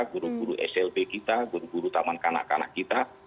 guru guru slb kita guru guru taman kanak kanak kita